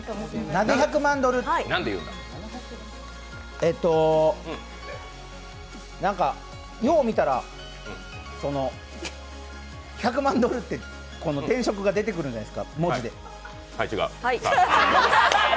えっと、よう見たら、その１００万ドルって電飾が出てくるんじゃないですか、文字で。